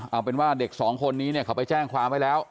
เอาเป็นว่าเด็กสองคนนี้เนี่ยเขาไปแจ้งความไว้แล้ว